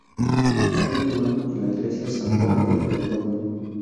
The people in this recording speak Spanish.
Fue inhumado en la Iglesia San Jorge de Vendôme.